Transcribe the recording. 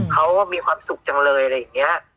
เขามีความสุขจังเลยอะไรอย่างนี้